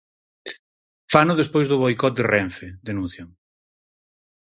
Fano despois do boicot de Renfe, denuncian.